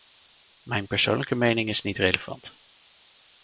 Mijn persoonlijke mening is niet relevant.